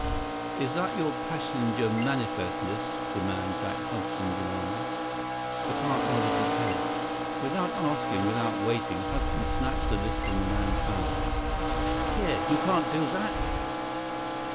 "Is that your passenger manifest list?" the man, Jack Hudson, demanded. The clerk nodded his head. Without asking, without waiting, Hudson snatched the list from the man's hand. "Here. You can't do that!"